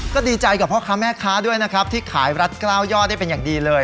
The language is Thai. ก็ดีใจกับพ่อค้าแม่ค้าด้วยนะครับที่ขายรัฐกล้าวย่อได้เป็นอย่างดีเลย